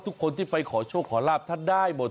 ทุกคนที่ไปขอโชคขอลาบท่านได้หมด